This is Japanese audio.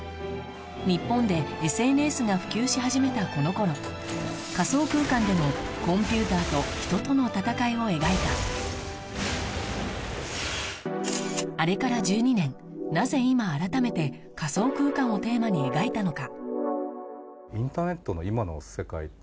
日本でＳＮＳが普及し始めたこの頃仮想空間でのコンピューターと人との戦いを描いたあれから１２年なぜ今改めて仮想空間をテーマに描いたのか？